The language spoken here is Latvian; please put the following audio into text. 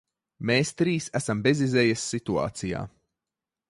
Mēs trīs esam bezizejas situācijā.